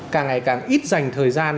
càng ngày càng ít dành thời gian